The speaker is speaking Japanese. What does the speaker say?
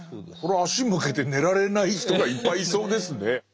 これ足向けて寝られない人がいっぱいいそうですね。